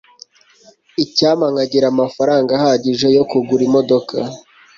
icyampa nkagira amafaranga ahagije yo kugura imodoka